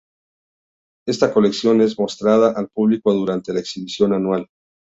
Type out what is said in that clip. Esta colección es mostrada al público durante la exhibición anual.